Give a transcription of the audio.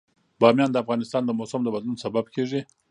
بامیان د افغانستان د موسم د بدلون سبب کېږي.